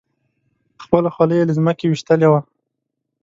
خپله خولۍ یې له ځمکې ویشتلې وه.